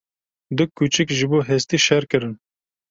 Du kûçik ji bo hestî şer kirin.